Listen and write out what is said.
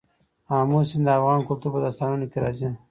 آمو سیند د افغان کلتور په داستانونو کې راځي.